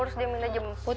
terus dia minta jemput